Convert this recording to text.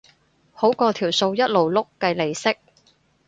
好過條數一路碌計利息